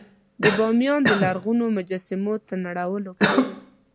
د بامیان د لرغونو مجسمو تر نړولو پورې.